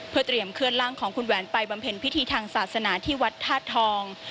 เพื่อเตรียมเคลื่อนร่างของคุณแหวนไปบำเพ็ญพิธีทางศาสนาที่วัดธาตุทอง